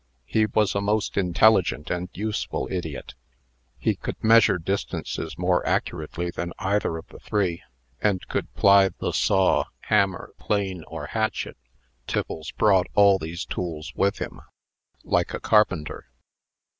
He was a most intelligent and useful idiot. He could measure distances more accurately than either of the three, and could ply the saw, hammer, plane, or hatchet (Tiffles brought all these tools with him) like a carpenter.